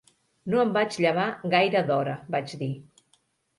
"No em vaig llevar gaire d'hora", vaig dir.